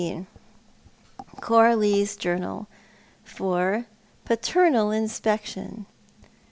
coralie's journal— for paternal inspection.